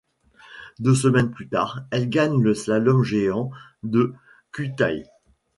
Deux semaines plus tard, elle gagne le slalom géant de Kühtai.